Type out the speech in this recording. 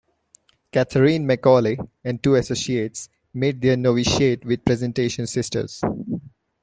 Catherine McAuley and two associates made their novitiate with the Presentation Sisters.